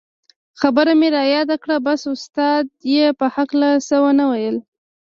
خبره مې رایاده کړه بس استاد یې په هکله څه و نه ویل.